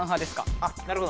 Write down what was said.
あなるほど。